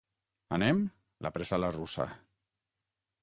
Anem? —l'apressà la russa.